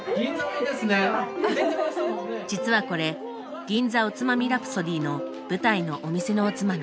実はこれ「銀座おつまみラプソディ」の舞台のお店のおつまみ。